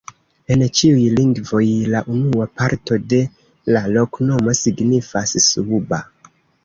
En ĉiuj lingvoj la unua parto de la loknomo signifas: suba.